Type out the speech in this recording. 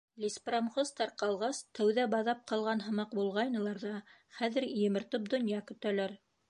Леспромхоз тарҡалғас, тәүҙә баҙап ҡалған һымаҡ булғайнылар ҙа, хәҙер емертеп донъя көтәләр.